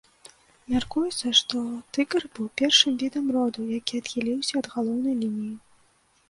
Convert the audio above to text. Мяркуецца, што тыгр быў першым відам роду, які адхіліўся ад галоўнай лініі.